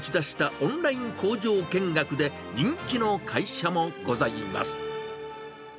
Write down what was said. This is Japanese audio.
オンライン工場見学で、人気の会社もございます。